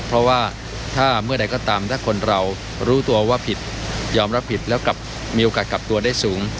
เพราะว่าถ้าเมื่อใดก็ตามถ้าคนเรารู้ตัวว่าผิดยอมรับผิดแล้วกลับมีโอกาสกลับตัวได้สูง